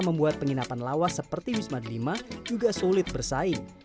membuat penginapan lawas seperti wisma delima juga sulit bersaing